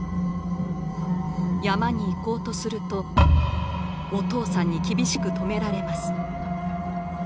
山に行こうとするとお父さんに厳しく止められます。